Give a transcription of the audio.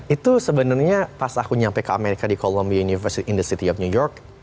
itu sebenarnya pas aku nyampe ke amerika di columbia university undersity of new york